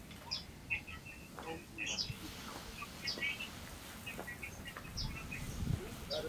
হ্যাঁ, ঠিকই বলছো।